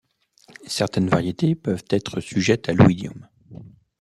Certaines variétés peuvent être sujettes à l'oïdium.